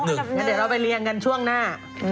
เดี๋ยวเราไปเรียงกันช่วงหน้า